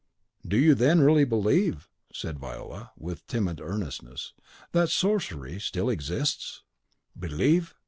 "Do you then really believe," said Viola, with timid earnestness, "that sorcery still exists?" "Believe!